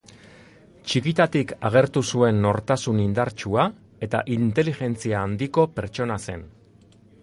Txikitatik agertu zuen nortasun indartsua eta inteligentzia handiko pertsona zen.